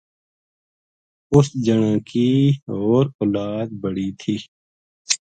اس جنا کی ہور اولاد بڑی تھی